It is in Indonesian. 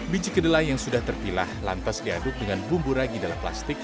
biji kedelai yang sudah terpilah lantas diaduk dengan bumbu ragi dalam plastik